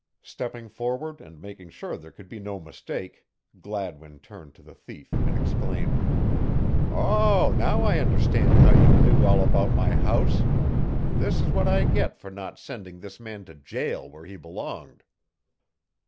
Stepping forward and making sure there could be no mistake, Gladwin turned to the thief and exclaimed: "Oh, now I understand how you knew all about my house. This is what I get for not sending this man to jail where he belonged."